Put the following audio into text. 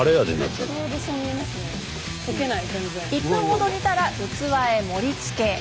１分ほど煮たら器へ盛りつけ。